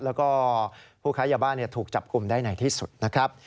แล้วก็ผู้ค้ายาบ้าถูกจับกลุ่มได้ไหนที่สุดนะครับ